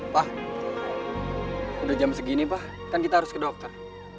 pak udah jam segini pak kan kita harus ke dokter